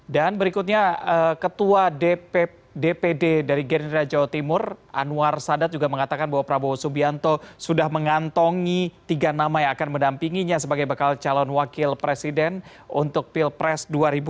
dan berikutnya ketua dpd dari genera jawa timur anwar sadat juga mengatakan bahwa prabowo subianto sudah mengantongi tiga nama yang akan mendampinginya sebagai bakal calon wakil presiden untuk pilpres dua ribu dua puluh empat